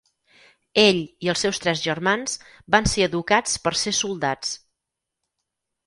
Ell i els seus tres germans van ser educats per ser soldats.